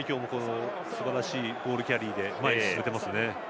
すばらしいボールキャリーで前に進めていますね。